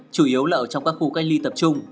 chủ yếu là ở trong các khu cách ly tập trung